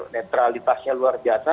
neutralitasnya luar biasa